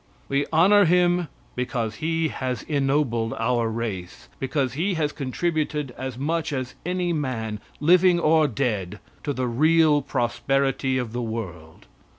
We honor him because he has ennobled our race, because he has contributed as much as any man living or dead to the real prosperity of the world.